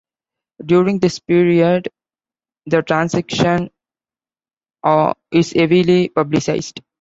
During this period, the transition is heavily publicized.